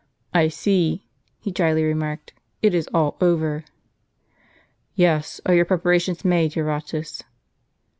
" I see," he drily remarked, "it is all over." " Yes ; are your preparations made, Eurotas